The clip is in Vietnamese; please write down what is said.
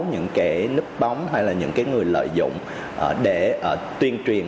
những cái núp bóng hay là những cái người lợi dụng để tuyên truyền